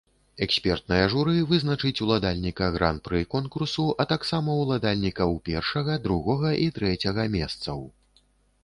Экспертнае журы вызначыць уладальніка гран-пры конкурсу, а таксама уладальнікаў першага, другога і трэцяга месцаў.